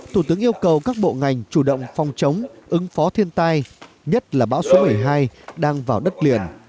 thủ tướng yêu cầu các bộ ngành chủ động phòng chống ứng phó thiên tai nhất là bão số một mươi hai đang vào đất liền